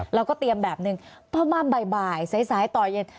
เราก็เตรียมแบบหนึ่งประมาณบ่ายสายต่อเย็น